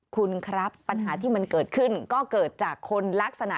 คุณครับปัญหาที่มันเกิดขึ้นก็เกิดจากคนลักษณะ